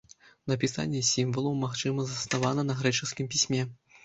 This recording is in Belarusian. Напісанне сімвалаў, магчыма, заснавана на грэчаскім пісьме.